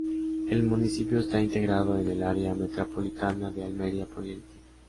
El municipio está integrado en el área metropolitana de Almería-Poniente.